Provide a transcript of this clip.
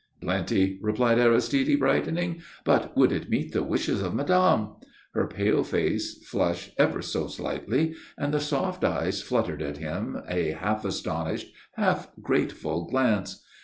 "Plenty," replied Aristide, brightening. "But would it meet the wishes of madame?" Her pale face flushed ever so slightly and the soft eyes fluttered at him a half astonished, half grateful glance.